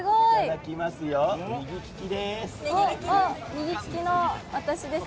右利きです。